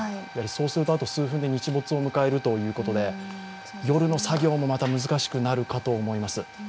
そうすると、あと数分で日没を迎えるということで、夜の作業も難しくなると思います。